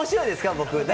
僕。